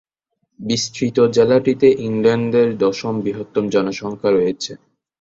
বিস্তৃত জেলাটিতে ইংল্যান্ডের দশম বৃহত্তম জনসংখ্যা রয়েছে।